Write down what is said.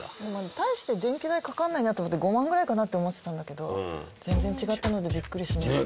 大して電気代かかんないなと思って５万ぐらいかなと思ってたんだけど全然違ったのでビックリしました。